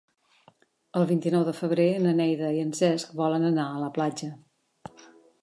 El vint-i-nou de febrer na Neida i en Cesc volen anar a la platja.